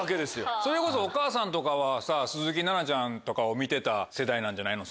それこそお母さんとかはさ鈴木奈々ちゃんとかを見てた世代なんじゃないの？